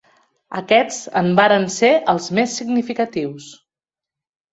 Aquests en varen ser els més significatius.